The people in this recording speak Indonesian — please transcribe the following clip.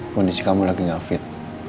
kondisi kamu lagi gak fit